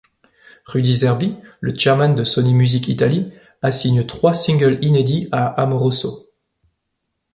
Rudy Zerbi, le chairman de Sony Music Italie, assigne trois singles inédits à Amoroso.